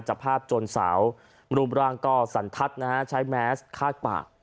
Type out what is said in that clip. จับภาพจนสาวรูปร่างก็สันทัศน์นะฮะใช้แมสคาดปาก